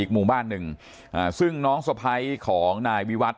อีกมุมบ้านหนึ่งอ่าซึ่งน้องสภัยของนายวิวัทส์